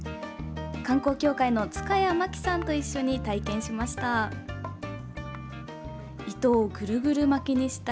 観光協会の塚谷真樹さんと一緒に体験しました。